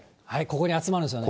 ここに集まる。